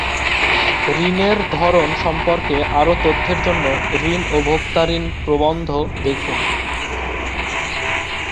ঋণের ধরন সম্পর্কে আরও তথ্যের জন্য ঋণ ও ভোক্তা ঋণ প্রবন্ধ দেখুন।